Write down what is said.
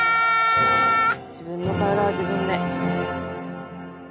自分の体は自分で。